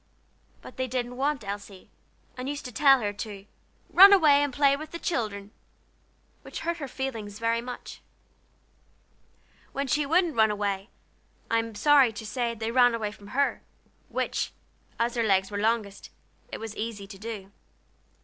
But they didn't want Elsie, and used to tell her to "run away and play with the children," which hurt her feelings very much. When she wouldn't run away, I am sorry to say they ran away from her, which, as their legs were longest, it was easy to do.